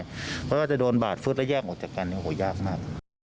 เพราะว่าจะโดนบาดฟึดแล้วแยกออกจากกันยากมาก